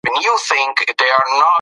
غوښې خوراک د کاربن ډای اکسایډ کچه لوړوي.